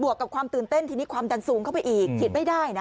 กับความตื่นเต้นทีนี้ความดันสูงเข้าไปอีกฉีดไม่ได้นะ